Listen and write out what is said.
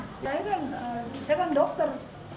saya kan dokter